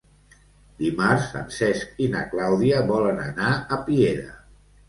Dimarts en Cesc i na Clàudia volen anar a Piera.